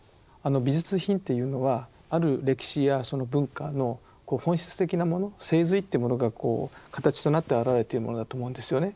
美術品っていうのはある歴史やその文化の本質的なもの精髄っていうものがこう形となって表れているものだと思うんですよね。